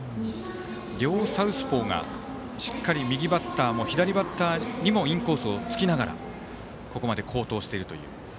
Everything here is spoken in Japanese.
両サウスポーがしっかり右バッターにも左バッターにもインコースをつきながらここまで好投しているという。